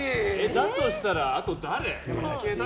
だとしたら、あと誰？